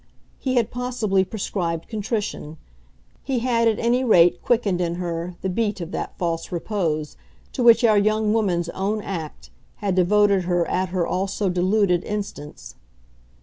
He had possibly prescribed contrition he had at any rate quickened in her the beat of that false repose to which our young woman's own act had devoted her at her all so deluded instance.